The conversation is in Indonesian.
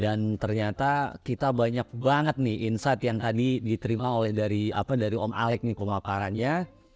dan ternyata kita banyak banget nih insight yang tadi diterima oleh dari om alec nih kemamparannya